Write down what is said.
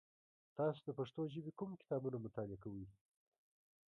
تاسو د پښتو ژبې کوم کتابونه مطالعه کوی؟